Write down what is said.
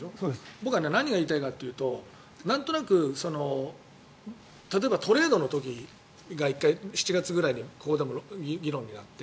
僕は何が言いたいかというとなんとなく例えばトレードの時１回、７月くらいにここでも議論になって。